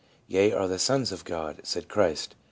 ' Ye are the sons of God/ said Christ.